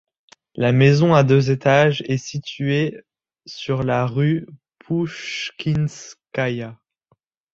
La maison à deux étages est située sur la rue Pushkinskaya.